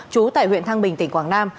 trú tại huyện thang bình tỉnh quảng nam